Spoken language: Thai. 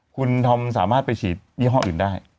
คุณธอมสามารถไปฉีดยี่ห้ออื่นได้